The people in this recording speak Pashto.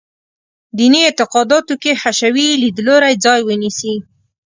دیني اعتقاداتو کې حشوي لیدلوری ځای ونیسي.